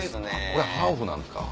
これハーフなんですか？